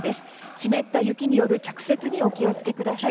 湿った雪による着雪にお気を付けください。